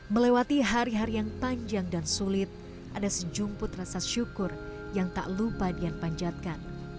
melewati hari hari yang panjang dan sulit ada sejumput rasa syukur yang tak lupa dian panjatkan